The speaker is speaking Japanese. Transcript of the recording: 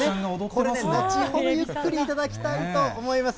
これ、後ほどゆっくり頂きたいと思います。